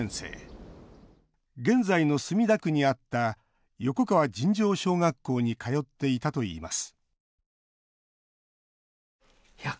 現在の墨田区にあった横川尋常小学校に通っていたといいます